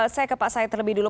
saya ke pak said terlebih dulu